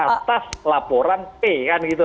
atas laporan p kan gitu